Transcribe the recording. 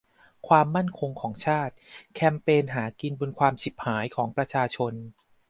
"ความมั่นคงของชาติ" แคมเปญหากินบนความฉิบหายของประชาชน